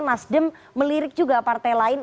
nasdem melirik juga partai lain